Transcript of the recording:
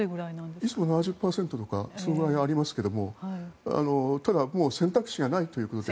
いつもは７０％とかそれくらいありますけれどただ選択肢がないということで。